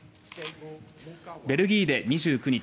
ベルギーで２９日